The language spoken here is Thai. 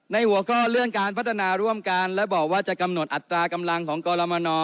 หัวข้อเรื่องการพัฒนาร่วมกันและบอกว่าจะกำหนดอัตรากำลังของกรมน